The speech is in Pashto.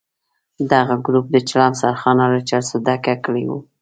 دغه ګروپ د چلم سرخانه له چرسو ډکه کړې وه.